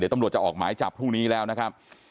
ตำรวจจะออกหมายจับพรุ่งนี้แล้วนะครับ